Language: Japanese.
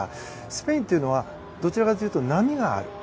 スペインというのはどちらかというと波がある。